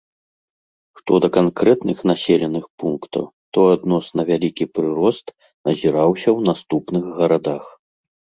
Што да канкрэтных населеных пунктаў, то адносна вялікі прырост назіраўся ў наступных гарадах.